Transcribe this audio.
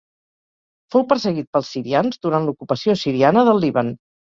Fou perseguit pels sirians durant l'ocupació siriana del Líban.